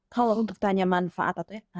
kalau untuk tanya manfaat atau ya